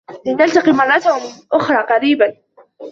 لنلتقي مرة أخرى قريباً.